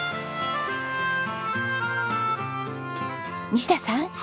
西田さん